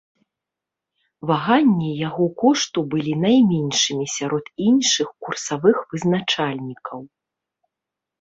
Ваганні яго кошту былі найменшымі сярод іншых курсавых вызначальнікаў.